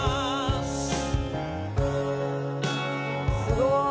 「すごい！」